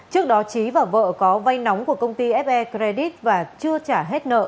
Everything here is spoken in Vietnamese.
trước đó trí và vợ có vay nóng của công ty fre credit và chưa trả hết nợ